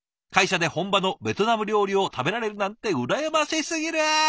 会社で本場のベトナム料理を食べられるなんて羨ましすぎる。